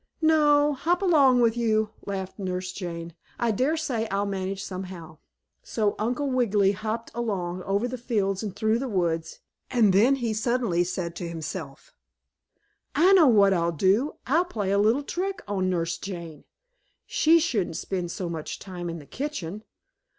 "No! Hop along with you!" laughed Nurse Jane. "I dare say I'll manage somehow." So Uncle Wiggily hopped along, over the fields and through the woods, and then he suddenly said to himself: "I know what I'll do. I'll play a little trick on Nurse Jane. She shouldn't spend so much time in the kitchen.